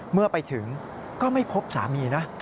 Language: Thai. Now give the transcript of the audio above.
เมื่อไปถึงก็ไม่พบสามีนะ